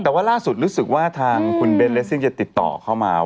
แต่ว่าล่าสุดรู้สึกว่าทางคุณเบนเลสซิ่งจะติดต่อเข้ามา